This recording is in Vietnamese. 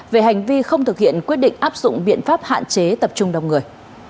về hành vi không thực hiện quyết định áp dụng biện pháp hạn chế tập trung đông người